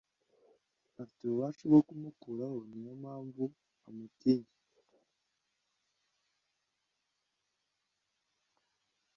afite ububasha bwo kumukuraho niyo mpamvu amutinya